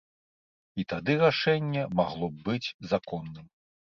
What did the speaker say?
І тады рашэнне магло б быць законным.